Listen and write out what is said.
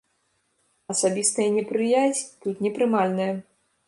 Асабістая непрыязь тут непрымальная.